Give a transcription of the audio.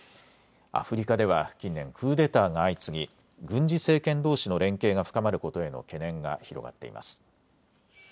アフリカでは近年、クーデターが相次ぎ、軍事政権どうしの連携が深まることへの懸念が広がっています。